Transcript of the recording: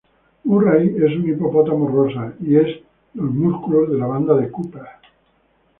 Murray es un hipopótamo rosa, y es "los músculos" de la banda de Cooper.